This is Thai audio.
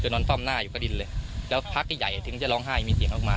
นอนซ่อมหน้าอยู่กระดินเลยแล้วพักใหญ่ถึงจะร้องไห้มีเสียงออกมา